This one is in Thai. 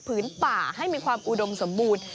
ฟื้นป่าให้มีความอุดมสมมูล